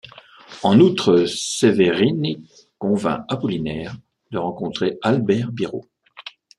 En outre, Severini convainc Apollinaire de rencontrer Albert-Birot.